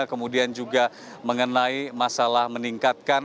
kemudian juga mengenai masalah meningkatkan